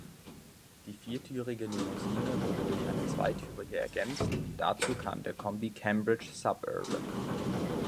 Die viertürige Limousine wurde durch eine Zweitürige ergänzt, dazu kam der Kombi Cambridge Suburban.